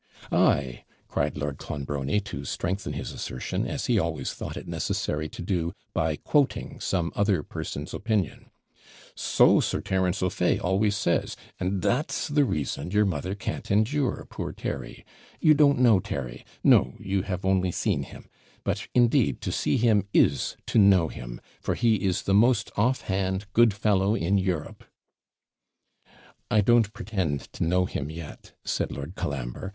'Ay,' cried Lord Clonbrony, to strengthen his assertion, as he always thought it necessary to do, by quoting some other person's opinion. 'So Sir Terence O'Fay always says, and that's the reason your mother can't endure poor Terry. You don't know Terry? No, you have only seen him; but, indeed, to see him is to know him; for he is the most off hand, good fellow in Europe.' 'I don't pretend to know him yet,' said Lord Colambre.